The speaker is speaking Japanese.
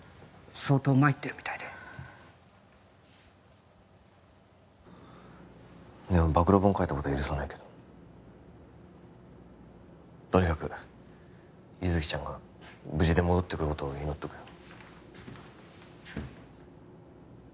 相当参ってるみたいででも暴露本書いたことは許さないけどとにかく優月ちゃんが無事で戻ってくることを祈っとくよ